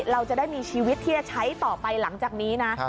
เราจะได้มีชีวิตที่จะใช้ต่อไปหลังจากนี้นะ